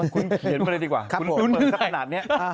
คุณเขียนมาเลยดีกว่าคุณหมดสักขนาดนี้